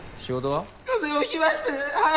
はい！